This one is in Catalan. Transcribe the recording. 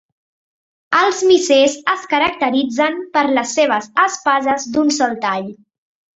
Els missers es caracteritzen per les seves espases d'un sol tall.